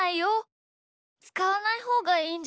つかわないほうがいいんじゃない？